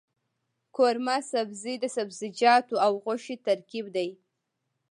قورمه سبزي د سبزيجاتو او غوښې ترکیب دی.